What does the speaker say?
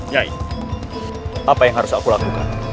nyai apa yang harus aku lakukan